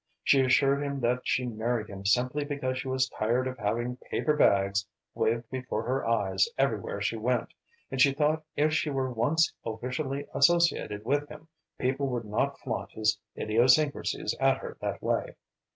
She assured him that she married him simply because she was tired of having paper bags waved before her eyes everywhere she went, and she thought if she were once officially associated with him people would not flaunt his idiosyncrasies at her that way.